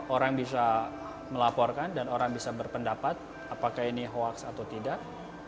orang bisa melaporkan dan orang bisa berpendapat apakah ini hoaks atau tidak